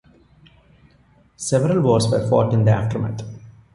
Several wars were fought in the aftermath.